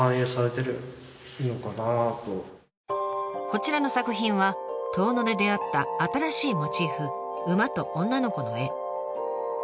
こちらの作品は遠野で出会った新しいモチーフ馬と女の子の絵。